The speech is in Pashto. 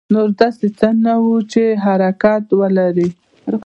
نور داسې څه نه وو چې حرکت ولري.